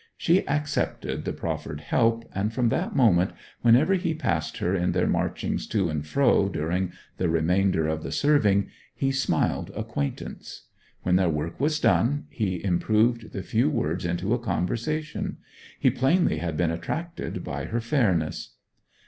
She accepted the proffered help, and from that moment, whenever he passed her in their marchings to and fro during the remainder of the serving, he smiled acquaintance. When their work was done, he improved the few words into a conversation. He plainly had been attracted by her fairness.